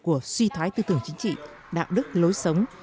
biểu hiện của suy thoái tư tưởng chính trị đạo đức lối sống